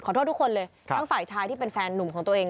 โทษทุกคนเลยทั้งฝ่ายชายที่เป็นแฟนหนุ่มของตัวเอง